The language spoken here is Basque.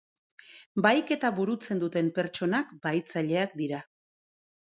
Bahiketa burutzen duten pertsonak bahitzaileak dira.